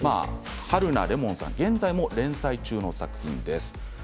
はるな檸檬さん、現在も連載中の作品です。